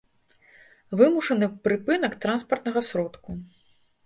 вымушаны прыпынак транспартнага сродку